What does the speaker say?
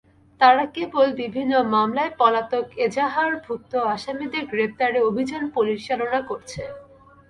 তারা কেবল বিভিন্ন মামলায় পলাতক এজাহারভুক্ত আসামিদের গ্রেপ্তারে অভিযান পরিচালনা করছে।